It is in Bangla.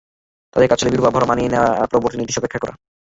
তাদের কাজ ছিল বিরূপ আবহাওয়ায় মানিয়ে নেওয়া আর পরবর্তী নির্দেশের অপেক্ষা করা।